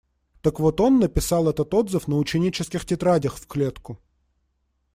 Так вот он написал этот отзыв на ученических тетрадях в клетку.